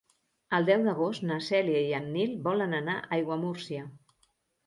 El deu d'agost na Cèlia i en Nil volen anar a Aiguamúrcia.